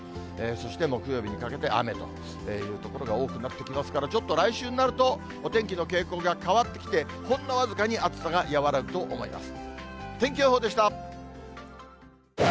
そして、木曜日にかけて雨という所が多くなってきますから、ちょっと来週になると、お天気の傾向が変わってきて、ほんの僅かに暑さが和らぐと思います。